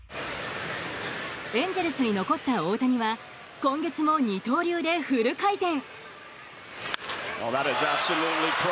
エンゼルスに残った大谷は今月も二刀流でフル回転。